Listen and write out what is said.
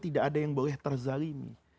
tidak ada yang boleh terzalimi